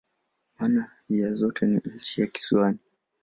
Maana ya zote ni "nchi ya kisiwani.